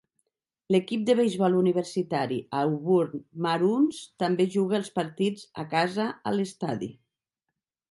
L'equip de beisbol universitari Auburn Maroons també juga els partits a casa a l'estadi.